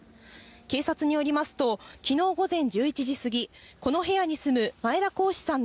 警察によりますと、きのう午前１１時過ぎ、この部屋に住む前田好志さん